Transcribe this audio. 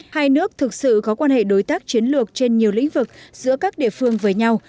hai nước thực sự có quan hệ đối tác chiến lược trên nhiều lĩnh vực giữa các địa phương với nhau